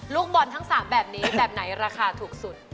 ลูกบอลทั้ง๓แบบนี้แบบไหนราคาถูกสุด